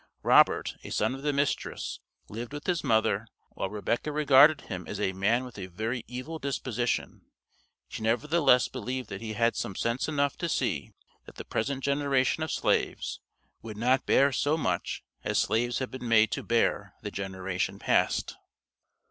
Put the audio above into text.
Robert, a son of the mistress lived with his mother. While Rebecca regarded him as "a man with a very evil disposition," she nevertheless believed that he had "sense enough to see that the present generation of slaves would not bear so much as slaves had been made to bear the generation past."